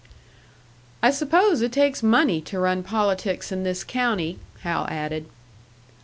"I suppose it takes money to run politics in this county," Hal added.